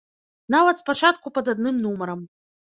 Нават спачатку пад адным нумарам.